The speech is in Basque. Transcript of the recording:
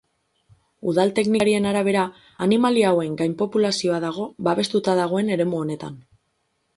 Udal teknikarien arabera, animalia hauen gainpopulazioa dago babestuta dagoen eremu honetan.